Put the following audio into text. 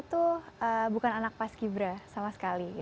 itu bukan anak paskibra sama sekali